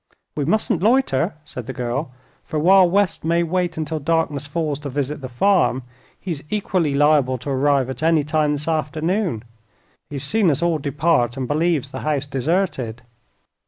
"We mustn't loiter," said the girl, "for while West may wait until darkness falls to visit the farm, he is equally liable to arrive at any time this afternoon. He has seen us all depart, and believes the house deserted."